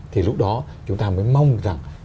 thì lúc đó chúng ta mới mong rằng